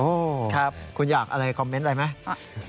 โอ้โหคุณอยากอะไรคอมเมนต์อะไรไหม